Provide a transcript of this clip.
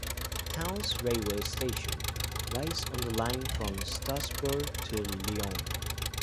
The town's railway station lies on the line from Strasbourg to Lyon.